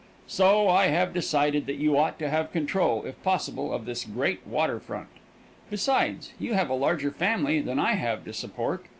So I have decided that you ought to have control, if possible, of this great water front; besides, you have a larger family than I have to support.